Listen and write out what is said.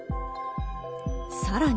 さらに。